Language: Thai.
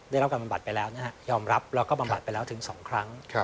ได้รับการบำบัดไปแล้วนะฮะยอมรับแล้วก็บำบัดไปแล้วถึง๒ครั้ง